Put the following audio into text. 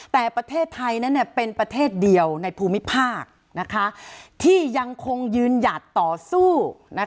แต่ประเทศไทยนั้นเป็นประเทศเดียวในภูมิภาคที่ยังคงยืนหยัดต่อสู้